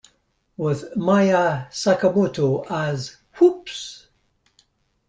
With Maaya Sakamoto as "Whoops!!